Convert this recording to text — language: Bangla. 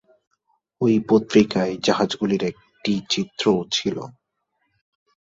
ঐ পত্রিকায় জাহাজগুলির একটি চিত্রও ছিল।